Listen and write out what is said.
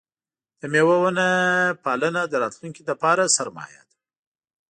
د مېوو ونه پالنه د راتلونکي لپاره سرمایه ده.